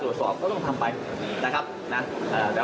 ร่วมถึงบิ๊กโจ๊กบอกที่